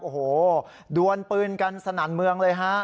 โอ้โหดวนปืนกันสนั่นเมืองเลยฮะ